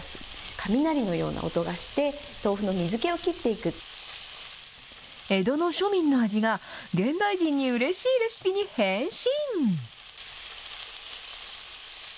雷のような音がして、江戸の庶民の味が、現代人にうれしいレシピに変身。